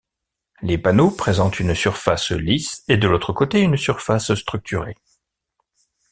Les panneaux présentent une surface lisse et de l'autre côté une surface structurée.